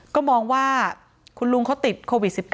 ก็มองว่าคุณลุงเขาติดโควิด๑๙